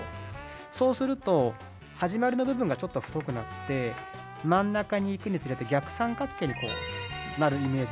そうすると始まりの部分がちょっと太くなって真ん中にいくにつれて逆三角形になるイメージなので。